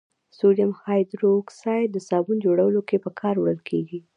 سودیم هایدروکساید د صابون جوړولو کې په کار وړل کیږي.